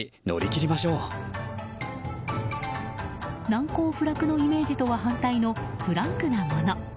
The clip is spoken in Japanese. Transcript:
難攻不落のイメージとは反対のフランクなもの。